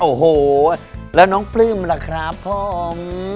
โอ้โหแล้วน้องปลื้มล่ะครับผม